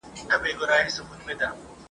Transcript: بې خبره د سیلیو له څپېړو ..